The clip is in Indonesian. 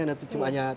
ini mahal luar biasa ya